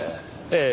ええ。